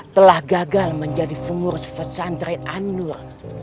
telah gagal menjadi pengurus pesantren an nur